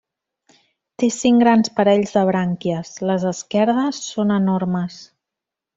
Té cinc grans parells de brànquies, les esquerdes són enormes.